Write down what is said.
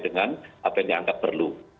dengan apbn yang anggap perlu